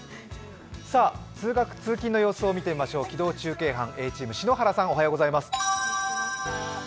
通学、通勤の様子を見てみましょう機動中継班Ａチーム、篠原さん、おはようございます。